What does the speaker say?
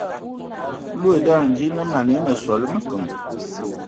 Loe daan hm di lǝ mana ya ma sole mǝkǝŋ.